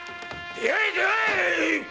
出会え出会え‼